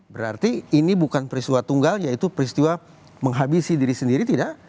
berarti ini bukan peristiwa tunggal yaitu peristiwa menghabisi diri sendiri tidak